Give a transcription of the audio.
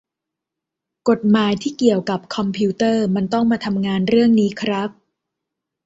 กฎหมายที่เกี่ยวกับคอมพิวเตอร์มันต้องมาทำงานเรื่องนี้ครับ